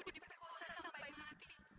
aku diperkosa sampai mati